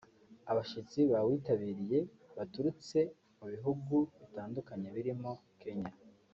Abashyitsi bawitabiriye baturutse mu bihugu bitandukanye birimo Kenya